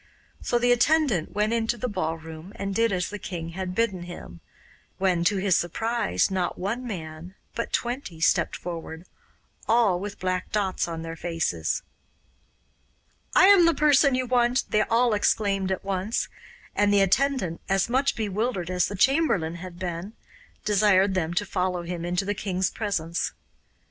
So the attendant went into the ballroom and did as the king had bidden him, when, to his surprise, not one man, but twenty, stepped forward, all with black dots on their faces. 'I am the person you want,' they all exclaimed at once, and the attendant, as much bewildered as the chamberlain had been, desired them to follow him into the king's presence.